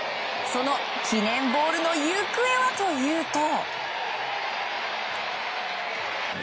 その記念ボールの行方はというと。